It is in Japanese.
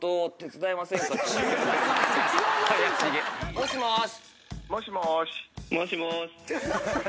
もしもし。